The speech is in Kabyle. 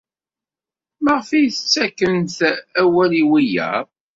Maɣef ay tettakfemt awal i wiyaḍ?